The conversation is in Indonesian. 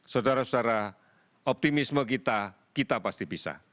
saudara saudara optimisme kita kita pasti bisa